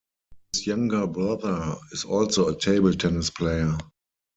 His younger brother is also a table tennis player.